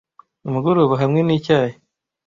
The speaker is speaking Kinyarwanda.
umugoroba hamwe n'icyayi